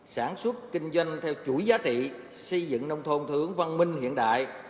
sản xuất kinh doanh theo chuỗi giá trị xây dựng nông thôn thưởng văn minh hiện đại